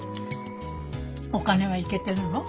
お金はいけてるの？